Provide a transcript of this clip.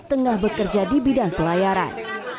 tengah bekerja di bidang pelayaran